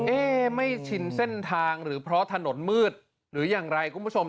เอ๊ะไม่ชินเส้นทางหรือเพราะถนนมืดหรืออย่างไรคุณผู้ชม